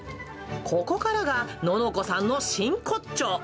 ここからが、ののこさんの真骨頂。